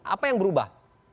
apa yang berubah